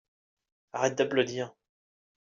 arrête d'applaudir.